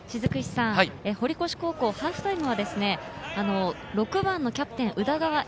堀越高校、ハーフタイムは６番のキャプテン・宇田川瑛